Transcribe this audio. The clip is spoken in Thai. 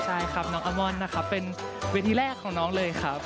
ใช่ครับน้องอาม่อนนะครับเป็นเวทีแรกของน้องเลยครับ